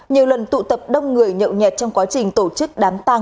nhiều lần tụ tập đông người nhậu nhẹt trong quá trình tổ chức đám tàng